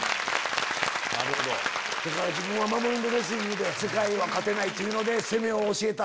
自分は守りのレスリングで世界で勝てないっていうので攻めを教えた。